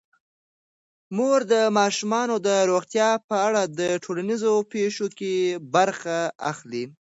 مور د ماشومانو د روغتیا په اړه د ټولنیزو پیښو کې برخه اخلي.